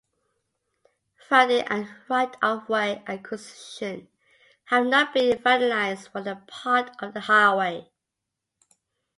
Funding and right-of-way acquisition have not been finalized for that part of the highway.